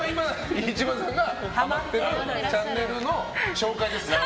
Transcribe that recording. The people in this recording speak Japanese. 飯島さんがハマっているチャンネルの紹介ですよ。